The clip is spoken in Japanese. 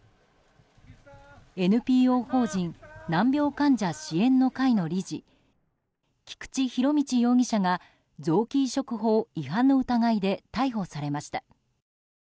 ＮＰＯ法人難病患者支援の会の理事菊池仁達容疑者が臓器移植法違反の疑いで逮捕されました。